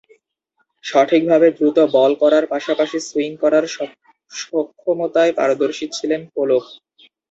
সঠিকভাবে দ্রুত বল করার পাশাপাশি সুইং করার সক্ষমতায় পারদর্শী ছিলেন পোলক।